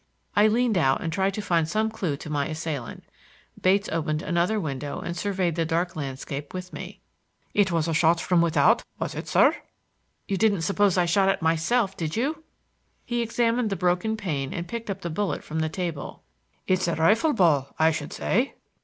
I leaned out and tried to find some clue to my assailant. Bates opened another window and surveyed the dark landscape with me. "It was a shot from without, was it, sir?" "Of course it was; you didn't suppose I shot at myself, did you?" He examined the broken pane and picked up the bullet from the table. "It's a rifle ball, I should say."